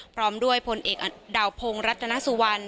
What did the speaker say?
พร้อมด้วยพลเอกดาวพงศ์รัตนสุวรรณ